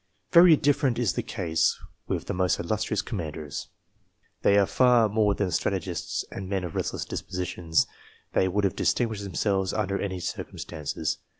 Very different is the case, with the most illustrious commanders. They are far more than strategists and men of restless dispositions ; they would have distinguished themselves under any circumstances.